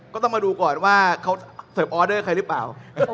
ก็ต้องมาดูก่อนว่าเขาเสิร์ฟออเดอร์ใครหรือเปล่า